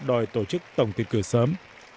đòi tổ chức tổng tiệt cửa sớm